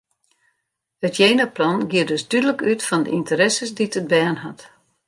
It jenaplan giet dus dúdlik út fan de ynteresses dy't it bern hat.